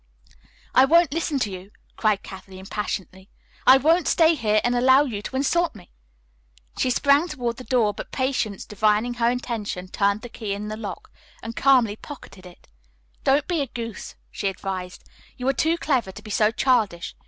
"I won't listen to you," cried Kathleen passionately. "I won't stay here and allow you to insult me." She sprang toward the door, but Patience, divining her intention, turned the key in the lock and calmly pocketed it. "Don't be a goose," she advised. "You are too clever to be so childish.